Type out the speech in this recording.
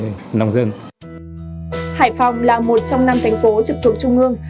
hải phòng là một trong năm thành phố trực thuộc trung ương